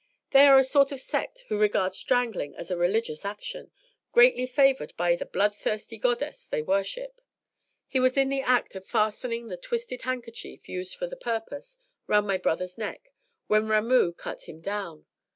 They are a sort of sect who regard strangling as a religious action, greatly favored by the bloodthirsty goddess they worship. He was in the act of fastening the twisted handkerchief, used for the purpose, round my brother's neck, when Ramoo cut him down.